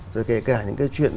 rồi kể cả những cái chuyện